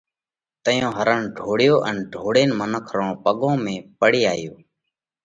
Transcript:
تئيون هرڻ ڍوڙيو ان ڍوڙينَ منک رون پڳون ۾ پڙي آيو۔